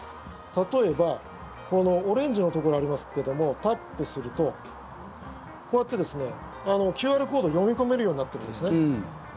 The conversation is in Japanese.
例えば、このオレンジのところありますけどもタップするとこうやってＱＲコードを読み込めるようになってるんですね。